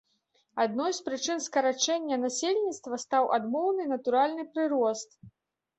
Адной з прычын скарачэння насельніцтва стаў адмоўны натуральны прырост.